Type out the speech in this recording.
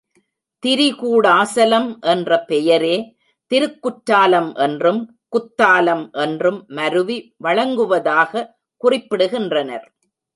திரிகூடாசலம் என்ற பெயரே திருக்குற்றாலம் என்றும், குத்தாலம் என்றும் மருவி வழங்குவதாகக் குறிப்பிடுகின்றனர்.